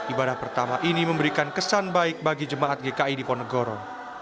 ibadah pertama ini memberikan kesan baik bagi jemaat gki di ponegoro